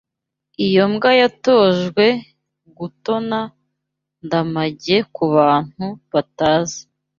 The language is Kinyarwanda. Iyo mbwa yatojwe gutonNdamagea kubantu batazi.